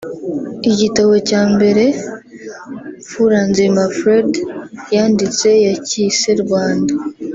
Igitabo cya mbere Mfuranzima Fred yanditse yacyise 'Rwanda